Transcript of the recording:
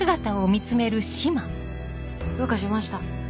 どうかしました？